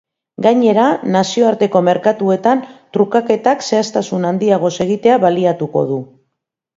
Gainera, nazioarteko merkatuetan trukaketak zehaztasun handiagoz egitea baliatuko du.